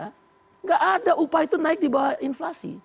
tidak ada upah itu naik di bawah inflasi